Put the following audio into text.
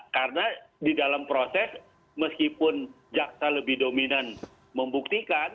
karena di dalam proses meskipun jaksa lebih dominan membuktikan